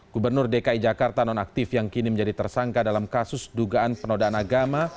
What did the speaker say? gubernur dki jakarta nonaktif yang kini menjadi tersangka dalam kasus dugaan penodaan agama